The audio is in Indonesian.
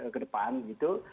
ke depan gitu